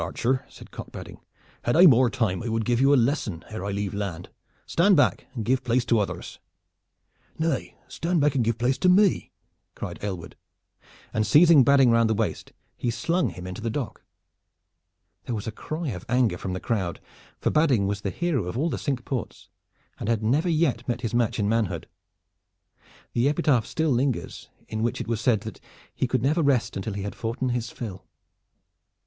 archer," said Cock Badding, "had I more time I would give you a lesson ere I leave land. Stand back and give place to others!" "Nay, stand back and give place to me!" cried Aylward, and seizing Badding round the waist he slung him into the dock. There was a cry of anger from the crowd, for Badding was the hero of all the Cinque Ports and had never yet met his match in manhood. The epitaph still lingers in which it was said that he "could never rest until he had foughten his fill."